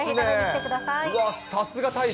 さすが大使。